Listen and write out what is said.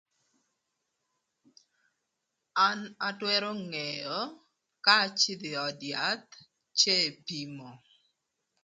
An atwërö ngeo ka acïdhï ï öd yath cë epimo.